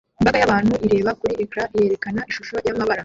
Imbaga y'abantu ireba kuri ecran yerekana ishusho y'amabara